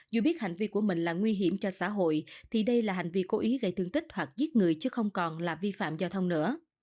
dù biết hành vi của mình là nguy hiểm cho xã hội thì đây là hành vi cố ý gây thương tích hoặc giết người chứ không còn là vi phạm giao thông nữa